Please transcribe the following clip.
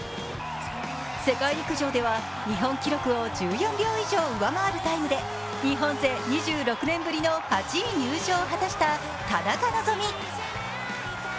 世界陸上では日本記録を１４秒以上上回るタイムで日本勢２６年ぶりの８位入賞を果たした田中希実。